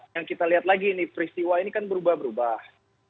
yang kita lihat lagi nih peristiwa ini kan berubah berubah